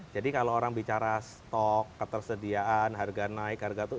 jadi kalau orang bicara stok ketersediaan harga naik harga turun